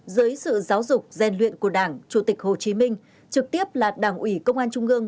dưới sự giáo dục rèn luyện của đảng chủ tịch hồ chí minh trực tiếp là đảng ủy công an trung ương